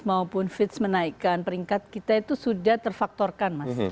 maupun fitch menaikkan peringkat kita itu sudah terfaktorkan mas